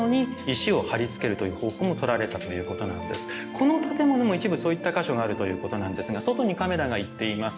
この建物も一部そういった箇所があるということなんですが外にカメラがいっています。